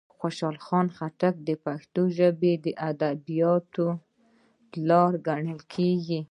خوشال خټک د پښتو ادبیاتوپلار کڼل کیږي.